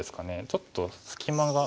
ちょっと隙間が。